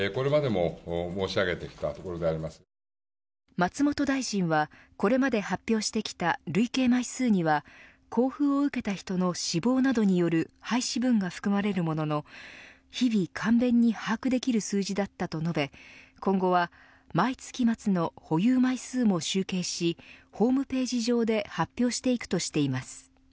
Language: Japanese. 松本大臣はこれまで発表してきた累計枚数には交付を受けた人の死亡などによる廃止分が含まれるものの日々簡便に把握できる数字だったと述べ今後は毎月末の保有枚数も集計しホームページ上で発表していくとしています。